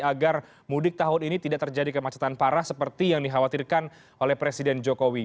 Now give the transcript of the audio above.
agar mudik tahun ini tidak terjadi kemacetan parah seperti yang dikhawatirkan oleh presiden jokowi